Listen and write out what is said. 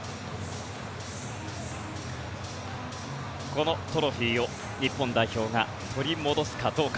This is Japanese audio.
このトロフィーを日本代表が取り戻すかどうか。